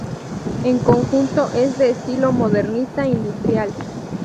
El conjunto es de estilo modernista industrial.